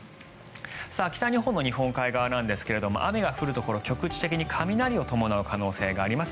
北日本の日本海側なんですが雨が降るところ、局地的に雷を伴う可能性があります。